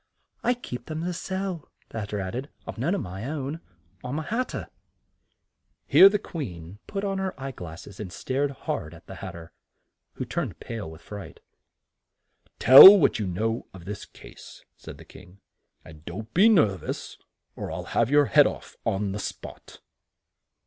"I keep them to sell," the Hat ter added. "I've none of my own. I'm a hat ter." Here the Queen put on her eye glass es and stared hard at the Hat ter, who turned pale with fright. "Tell what you know of this case," said the King; "and don't be nerv ous, or I'll have your head off on the spot."